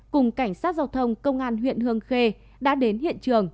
cùng cảnh sát giao thông công an huyện hương khê đã đến hiện trường